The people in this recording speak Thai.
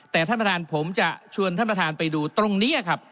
แต่ท่านประธานผมจะชวนท่านประธานไปดูตรงนี้ครับ